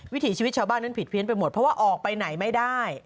วิถีชีวิตชาวบ้านนั้นผิดเพี้ยนไปหมดเพราะว่าออกไปไหนไม่ได้